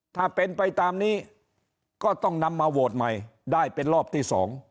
ถ้าเป็นไปตามนี้ก็ต้องนำมาโหวตใหม่ได้เป็นรอบที่๒